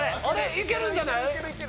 いけるんじゃない？